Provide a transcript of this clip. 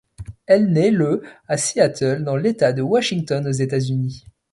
Elle naît le à Seattle dans l'État de Washington aux États-Unis.